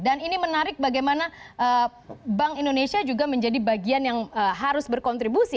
ini menarik bagaimana bank indonesia juga menjadi bagian yang harus berkontribusi